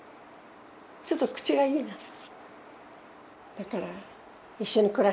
ちょっと口がイイなの。